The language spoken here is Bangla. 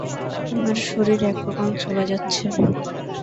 আমার শরীর একরকম চলে যাচ্ছে।